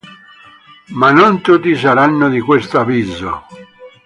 Ma non tutti saranno di questo avviso.